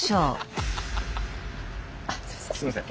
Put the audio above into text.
あっすいません。